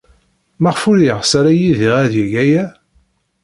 Maɣef ur yeɣs ara Yidir ad yeg aya?